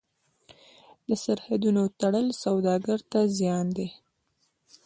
د سرحدونو تړل سوداګر ته زیان دی.